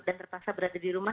dan terpaksa berada di rumah